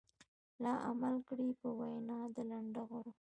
لا عمل کړي په وينا د لنډغرو.